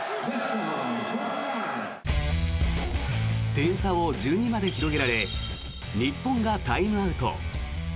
点差を１２まで広げられ日本がタイムアウト。